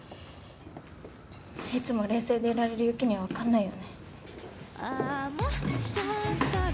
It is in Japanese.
いつも冷静でいられる雪には分かんないよね。